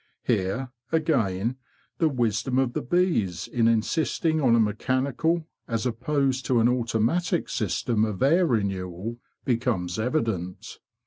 Here, again, the wisdom of the bees in insisting on a mechanical, as opposed to an automatic, system of air renewal, becomes evident.